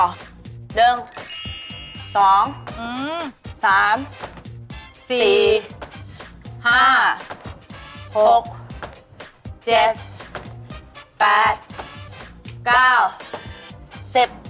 หนึ่งสองสามสี่ห้าหกเจ็บแปดเก้าเสร็จ